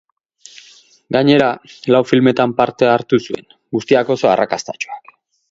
Gainera, lau filmetan parte hartu zuen, guztiak oso arrakastatsuak.